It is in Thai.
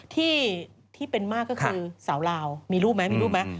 ที่เป็นมากก็คือสาวลาวมีรูปไหมมีรูปไหม